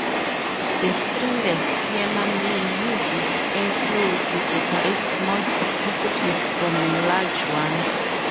The screenless hammer mill uses air flow to separate small particles from larger ones.